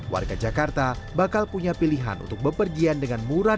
warga jakarta bakal punya pilihan untuk bepergian dengan murah